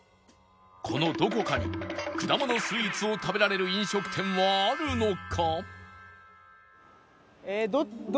このどこかにくだものスイーツを食べられる飲食店はあるのか？